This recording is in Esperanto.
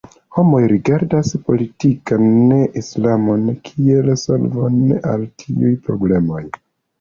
Homoj rigardas politikan Islamon kiel solvon al tiuj problemoj.